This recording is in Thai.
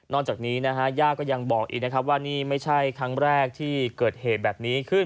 จากนี้นะฮะย่าก็ยังบอกอีกนะครับว่านี่ไม่ใช่ครั้งแรกที่เกิดเหตุแบบนี้ขึ้น